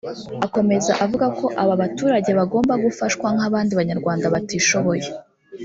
Akomeza avuga ko aba baturage bagomba gufashwa nk’abandi banyarwanda batishoboye